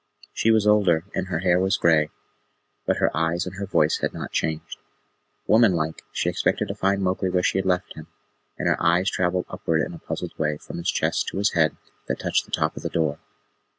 She was older, and her hair was gray, but her eyes and her voice had not changed. Woman like, she expected to find Mowgli where she had left him, and her eyes travelled upward in a puzzled way from his chest to his head, that touched the top of the door.